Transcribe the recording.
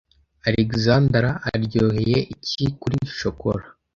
Alexandra aryoheye iki kuri Shokora